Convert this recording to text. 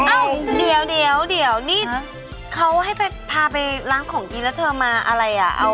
อ้าวเดี๋ยวเดี๋ยวเดี๋ยวนี่เขาให้พาไปล้างของกินแล้วเธอมาอะไร